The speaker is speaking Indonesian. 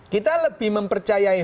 kita lebih mempercayai